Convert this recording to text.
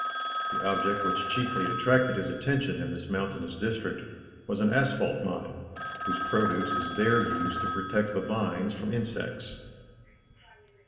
The object which chiefly attracted his attention in this mountainous district, was an asphalt mine, whose produce is there used to protect the vines from insects.